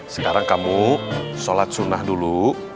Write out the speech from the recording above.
sekarang kamu sholat sunnah dulu